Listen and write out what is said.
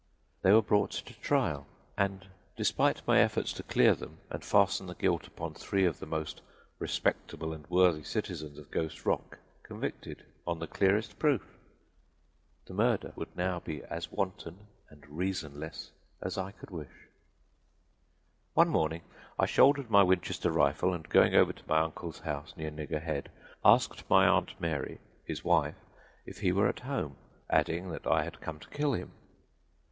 They were brought to trial and, despite my efforts to clear them and fasten the guilt upon three of the most respectable and worthy citizens of Ghost Rock, convicted on the clearest proof. The murder would now be as wanton and reasonless as I could wish. "One morning I shouldered my Winchester rifle, and going over to my uncle's house, near Nigger Head, asked my Aunt Mary, his wife, if he were at home, adding that I had come to kill him.